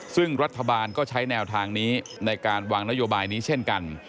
ซึ่งรัฐบาลก็ใช้แนวทางนี้ในการวางนโยบายนี้เช่นกัน